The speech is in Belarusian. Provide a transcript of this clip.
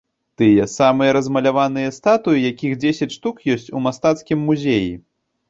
Тыя самыя размаляваныя статуі, якіх дзесяць штук ёсць у мастацкім музеі!